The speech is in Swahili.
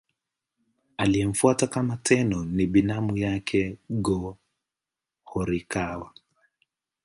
Aliyemfuata kama Tenno ni binamu yake Go-Horikawa.